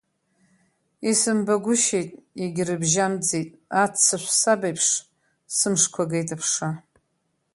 Исымбагәышьеит, егьрыбжьамӡеит, аццышә сабеиԥш, сымшқәа агеит аԥша.